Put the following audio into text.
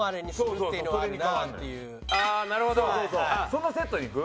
そのセットいく？